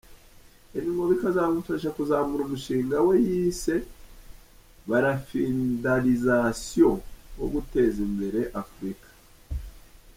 Ibi ngo bikazamufasha kuzamura umushinga we yise Barafindalisation”wo guteza imbere afurika.